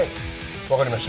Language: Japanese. わかりました。